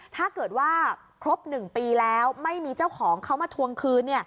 ถ้าเกิดว่าครบ๑ปีแล้วไม่มีเจ้าของเขามาทวงคืน